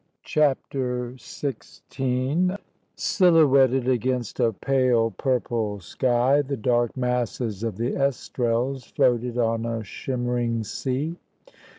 CHAPTER XVI Silhouetted against a pale purple sky, the dark masses of the Estrelles floated on a shimmering sea.